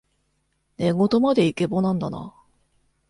寝言までイケボなんだな